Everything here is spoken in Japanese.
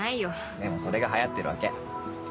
でもそれが流行ってるわけ。